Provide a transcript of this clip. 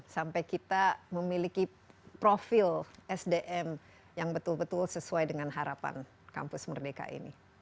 sampai kita memiliki profil sdm yang betul betul sesuai dengan harapan kampus merdeka ini